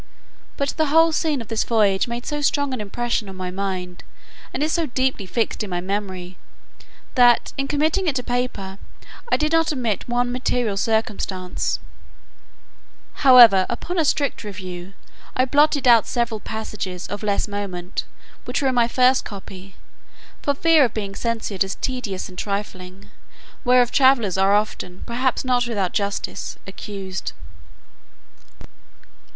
But the whole scene of this voyage made so strong an impression on my mind, and is so deeply fixed in my memory, that, in committing it to paper I did not omit one material circumstance: however, upon a strict review, I blotted out several passages of less moment which were in my first copy, for fear of being censured as tedious and trifling, whereof travellers are often, perhaps not without justice, accused.